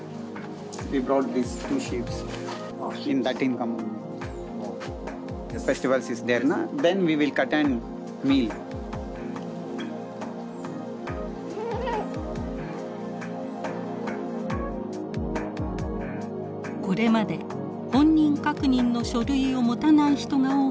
これまで本人確認の書類を持たない人が多かった農村。